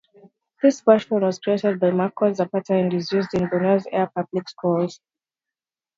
This version was created by Marcos Zapata and used in Buenos Aires public schools.